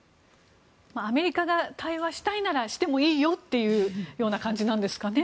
アメリカが対話したいならしてもいいよっていう感じなんですかね。